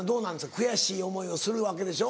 悔しい思いをするわけでしょ？